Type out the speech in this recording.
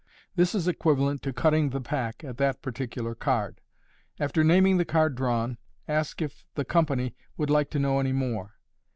This is equivalent to cutting the pack at that particular card. After naming the card drawn, ask if the com pany would like to know any more.